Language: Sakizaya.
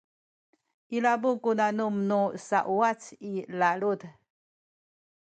ilabu ku nanum nu sauwac i lalud